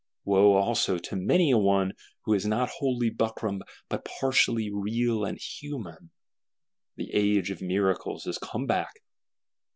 Wo also to many a one who is not wholly buckram, but partially real and human! The age of Miracles has come back!